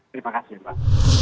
terima kasih pak